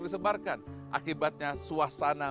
disebarkan akibatnya suasana